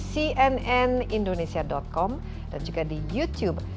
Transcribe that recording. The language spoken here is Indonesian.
cnnindonesia com dan juga di youtube